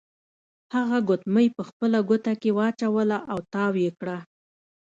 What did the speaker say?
هغه ګوتمۍ په خپله ګوته کې واچوله او تاو یې کړه.